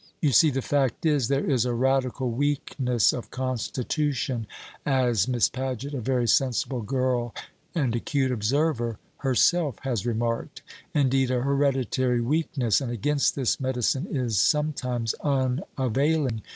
You see, the fact is, there is a radical weakness of constitution as Miss Paget, a very sensible girl and acute observer herself has remarked, indeed a hereditary weakness; and against this medicine is sometimes unavailing.